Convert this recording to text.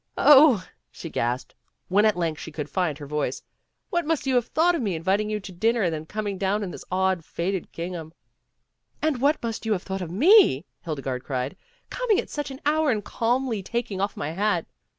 "0," she gasped, when at length she could find her voice, "What must you have thought of me, inviting you to dinner and then coming down in this old, faded gingham." "And what must you have thought of me," Hildegarde cried, "coming at such an hour and calmly taking off my hat."